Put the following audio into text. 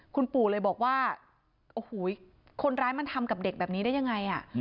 คุณปู่เลยบอกว่าโอ้โหคนร้ายมันทำกับเด็กแบบนี้ได้ยังไง